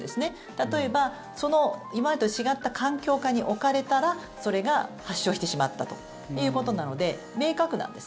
例えば、今までと違った環境下に置かれたらそれが発症してしまったということなので明確なんです。